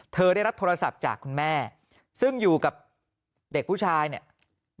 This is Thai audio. ได้รับโทรศัพท์จากคุณแม่ซึ่งอยู่กับเด็กผู้ชายเนี่ย